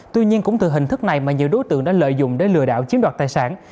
tuy nhiên cũng từ hình thức này mà nhiều đối tượng đã lợi dụng để lừa đảo chiếm đoạt tài sản